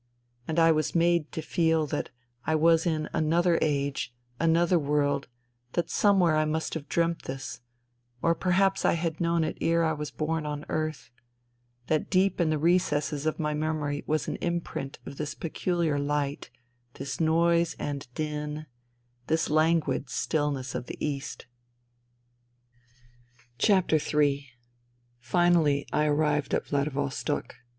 And I svas made to feel that I was in another age, another world, that somewhere I must have dreamt this, or perhaps had known it ere I was born on earth, that ieep in the recesses of my memory was an imprint Df this peculiar light, this noise and din, this languid stillness of the East. Ill Finally I arrived at Vladivostok.